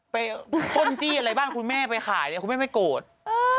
ป้นจี้อะไรบ้านคุณแม่ไปขายเนี่ยคุณแม่ไม่โกรธ